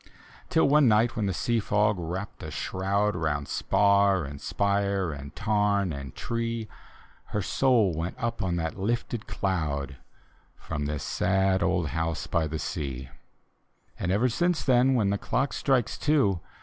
Till one ni^t when the sea fog wrapped a shroud Round spar and spire and tarn and tree, Her soul went up on that lifted cloud From this sad old house by the sea. And ever since then, when the clock strikes two.